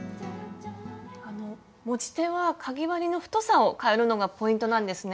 持ち手はかぎ針の太さをかえるのがポイントなんですね。